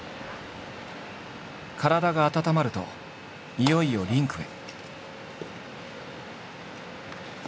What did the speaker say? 体が温まるといよいよリンクへ。